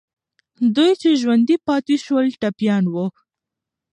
دوی چې ژوندي پاتې سول، ټپیان وو.